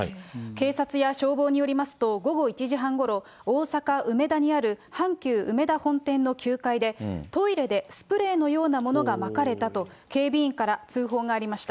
警察や消防によりますと、午後１時半ごろ、大阪・梅田にある阪急梅田本店の９階で、トイレでスプレーのようなものがまかれたと、警備員から通報がありました。